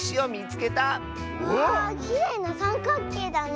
わあきれいなさんかっけいだね。